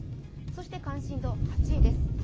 そして関心度８位です。